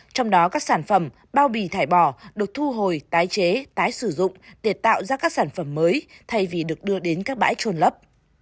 trong đó các sản phẩm bao bì thải bỏ được thu hồi tái chế tái sử dụng để tạo ra các sản phẩm mới thay vì được đưa đến các bãi trôn lấp